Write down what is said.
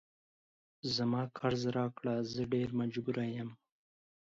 زما قرض راکړه زه ډیر مجبور یم